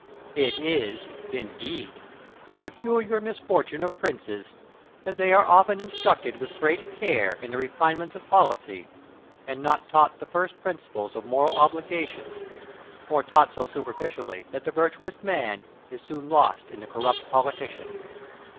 Plato. It is, indeed, the peculiar misfortune of princes, that they are often instructed with great care in the refinements of policy, and not taught the first principles of moral obligations, or taught so superficially that the virtuous man is soon lost in the corrupt politician.